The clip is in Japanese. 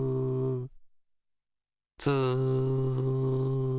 ツー。